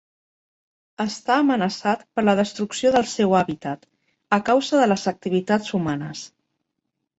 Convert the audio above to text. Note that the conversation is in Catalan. Està amenaçat per la destrucció del seu hàbitat a causa de les activitats humanes.